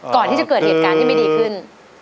ก่อนที่จะเกิดเหตุการณ์ที่ไม่ดีขึ้น